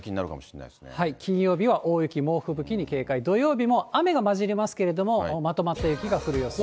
はい、金曜日は大雪、猛吹雪に警戒、土曜日も雨が交じりますけれども、まとまった雪が降る予想です。